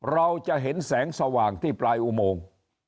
เราจะเห็นแสงสว่างที่ปลายอุโมง